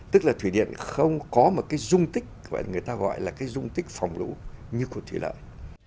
tức là thủy điện không có một cái dung tích gọi là người ta gọi là cái dung tích phòng lũ như của thủy lợi